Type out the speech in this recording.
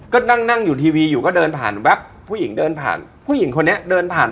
รอบตัวตลอดเวลา